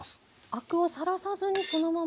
アクをさらさずにそのまま調理して。